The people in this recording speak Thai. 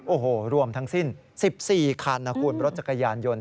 โอ้โหรวมทั้งสิ้น๑๔คันนะคุณรถจักรยานยนต์